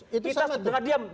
kita dengar diam